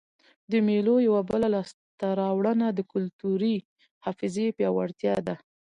د مېلو یوه بله لاسته راوړنه د کلتوري حافظې پیاوړتیا ده.